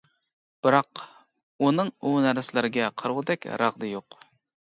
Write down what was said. بىراق، ئۇنىڭ ئۇ نەرسىلەرگە قارىغۇدەك رەغدى يوق.